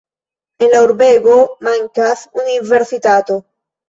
En la urbego mankas universitato.